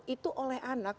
itu oleh anak